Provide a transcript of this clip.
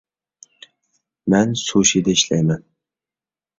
مەن سۇشىدا ئىشلەيمەن